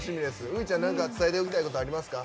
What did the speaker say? ウイちゃん、伝えておきたいことありますか？